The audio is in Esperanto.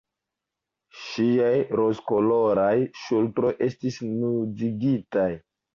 Ŝiaj rozkoloraj ŝultroj estis nudigitaj.